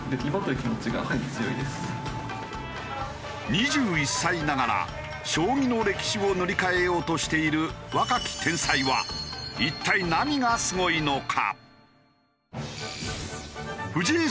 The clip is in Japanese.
２１歳ながら将棋の歴史を塗り替えようとしている若き天才は一体何がすごいのか？